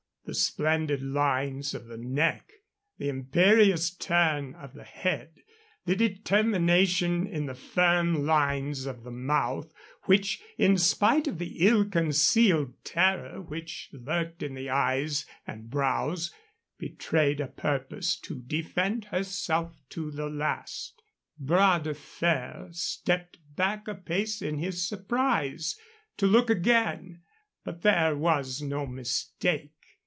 The splendid lines of the neck, the imperious turn of the head, the determination in the firm lines of the mouth, which, in spite of the ill concealed terror which lurked in the eyes and brows, betrayed a purpose to defend herself to the last. Bras de Fer stepped back a pace in his surprise to look again; but there was no mistake.